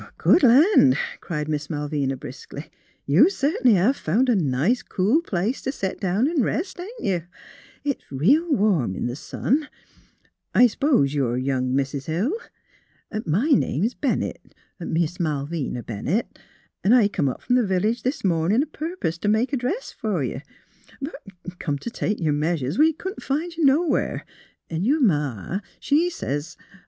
"Good land!" cried Miss Malvina, briskly. " You cert'nly hev found a nice cool place t' set down an' rest, ain't you? It's real warm in the sun. ... I s'pose you're young Mis' Hill. My name's Bennett — Miss Malvina Bennett. 'N' I 196 THE HEART OF PHILURA come up f om the village this mornin' a purpose t' make a dress fer you. But come t' take your measures, we couldn't find you nowhere; an' your ma in law, she sez. .